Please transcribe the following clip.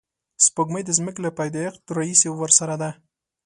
سپوږمۍ د ځمکې له پیدایښت راهیسې ورسره ده